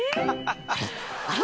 あれ！？